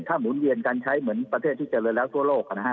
ถ้าหมุนเวียนการใช้เหมือนประเทศที่เจริญแล้วทั่วโลกนะฮะ